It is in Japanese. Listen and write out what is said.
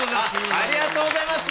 ありがとうございます。